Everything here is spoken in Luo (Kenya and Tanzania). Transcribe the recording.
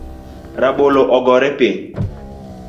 Rabolo ogore piny